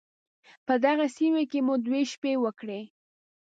په دغې سيمې کې مو دوه شپې وکړې.